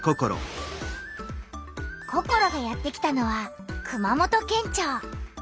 ココロがやって来たのは熊本県庁。